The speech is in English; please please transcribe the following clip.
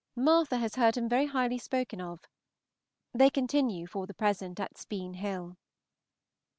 Martha has heard him very highly spoken of. They continue for the present at Speen Hill.